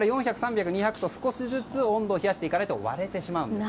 これから少しずつ温度冷やしていかないと割れてしまうんです。